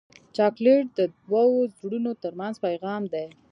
چاکلېټ د دوو زړونو ترمنځ پیغام دی.